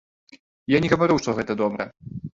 Я не гавару, што гэта добра!